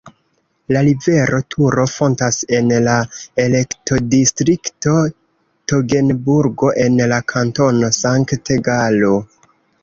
La rivero Turo fontas en la elektodistrikto Togenburgo en la Kantono Sankt-Galo.